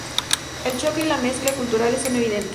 El choque y la mezcla culturales son evidentes.